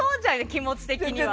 気持ち的には。